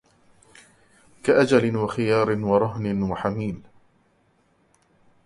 كَأَجَلٍ وَخِيَارٍ وَرَهْنٍ وَحَمِيلٍ